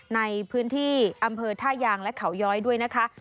ในพื้นที่อำเภอท่ายางและเขาย้อยด้วยนะคะ